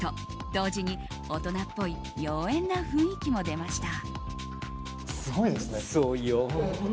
同時に大人っぽい妖艶な雰囲気も出ました。